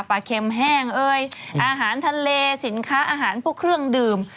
เค็มแห้งเอ้ยอาหารทะเลสินค้าอาหารพวกเครื่องดื่ม